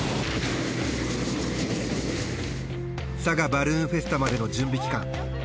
佐賀バルーンフェスタまでの準備期間